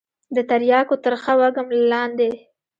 د ترياكو ترخه وږم له لاندې.